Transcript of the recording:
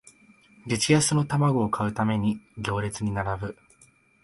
激安の玉子を買うために行列に並ぶ